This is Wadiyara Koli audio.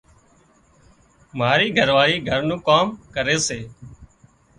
مارِي گھرواۯِي گھر نُون ڪام ڪري سي۔